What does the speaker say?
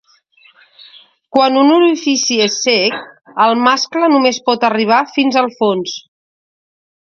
Quan un orifici és cec, el mascle només pot arribar fins al fons.